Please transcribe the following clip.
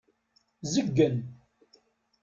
Zeggen.